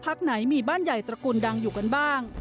ไหนมีบ้านใหญ่ตระกูลดังอยู่กันบ้าง